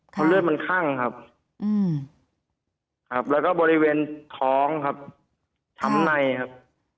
เพราะเลือดมันคั่งครับครับแล้วก็บริเวณท้องครับช้ำในครับ